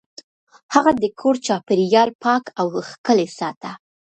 هغه د کور چاپیریال پاک او ښکلی ساته.